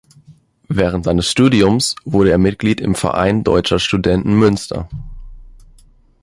Während seines Studiums wurde er Mitglied im "Verein Deutscher Studenten Münster".